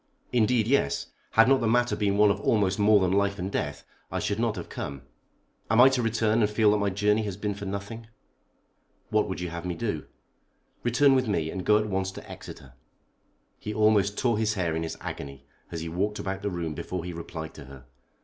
"Indeed, yes. Had not the matter been one of almost more than life and death I should not have come. Am I to return and feel that my journey has been for nothing?" "What would you have me do?" "Return with me, and go at once to Exeter." He almost tore his hair in his agony as he walked about the room before he replied to her.